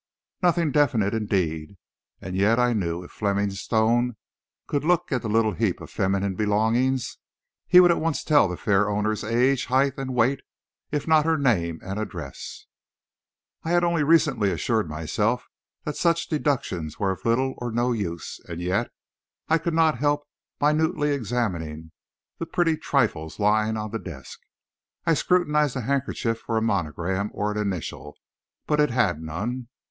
Nothing definite, indeed, and yet I knew if Fleming Stone could look at the little heap of feminine belongings, he would at once tell the fair owner's age, height, and weight, if not her name and address. I had only recently assured myself that such deductions were of little or no use, and yet, I could not help minutely examining the pretty trifles lying on the desk. I scrutinized the handkerchief for a monogram or an initial, but it had none.